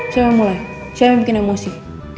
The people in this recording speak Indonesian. siapa yang mulai siapa yang bikin emosi